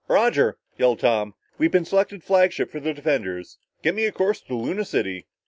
"Roger," yelled Tom, "we've been selected as flagship for the defenders! Get me a course to Luna City!"